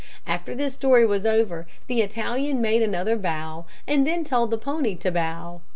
After this story was over, the Italian made another bow, and then told the pony to bow.